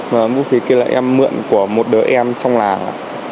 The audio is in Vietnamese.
vũ khí kia là em mượn của một đứa em trong làng